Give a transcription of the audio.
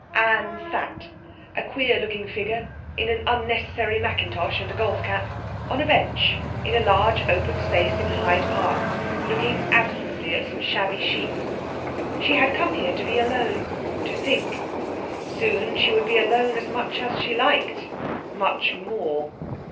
Anne sat, a queer looking figure, in an unnecessary mackintosh and a golf cap, on a bench in a large open space in Hyde Park, looking absently at some shabby sheep. She had come here to be alone, to think. Soon she would be alone as much as she liked much more.